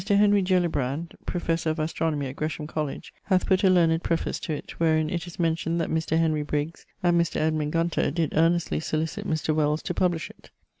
Henry Gellibrand, professor of at Gresham College, hath put a learned preface to it, wherein it is mencioned that Mr. Henry Brigges and Mr. Edmund Gunter did earnestly sollicite Mr. Wells to publish it.